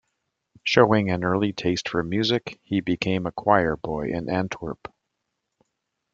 Showing an early taste for music, he became a choir-boy in Antwerp.